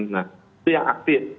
nah itu yang aktif